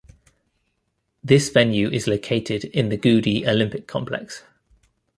This venue is located in the Goudi Olympic Complex.